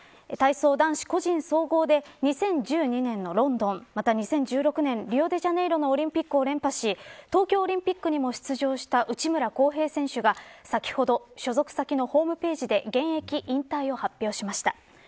体操男子個人総合で２０１２年のロンドンまた２０１６年リオデジャネイロオリンピックを連覇し東京オリンピックにも出場した内村航平選手が先ほど所属先のホームページで現役引退を発表しました。